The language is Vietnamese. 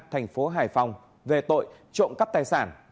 thành phố hải phòng về tội trộm cắp tài sản